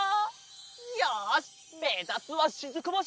よしめざすはしずく星！